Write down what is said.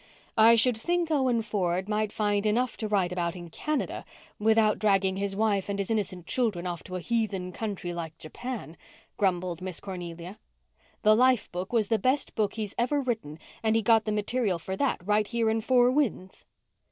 "I should think Owen Ford might find enough to write about in Canada without dragging his wife and his innocent children off to a heathen country like Japan," grumbled Miss Cornelia. "The Life Book was the best book he's ever written and he got the material for that right here in Four Winds."